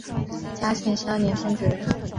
嘉庆十二年中举人。